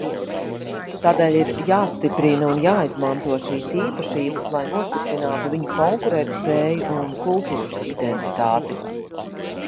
Tādēļ ir jāstiprina un jāizmanto šīs īpašības, lai nostiprinātu viņu konkurētspēju un kultūras identitāti.